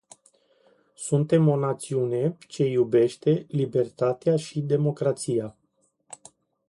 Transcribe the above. Suntem o națiune ce iubește libertatea și democrația.